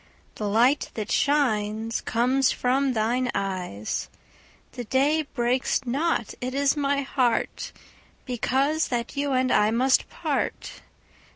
The light that shines comes from thine eyes; The day breaks not: it is my heart, Because that you and I must part.